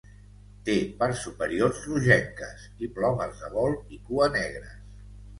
Té parts superiors rogenques i plomes de vol i cua negres.